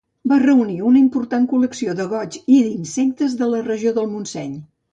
Va reunir una important col·lecció de goigs i d'insectes de la regió del Montseny.